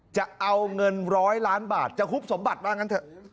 จะเอาเงิน๑๐๐ล้านบาทจะฮุบสมบัติว่างั้นเถอะ